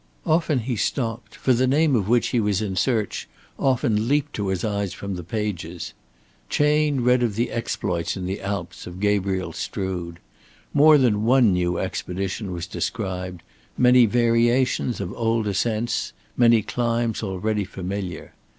Often he stopped, for the name of which he was in search often leaped to his eyes from the pages. Chayne read of the exploits in the Alps of Gabriel Strood. More than one new expedition was described, many variations of old ascents, many climbs already familiar.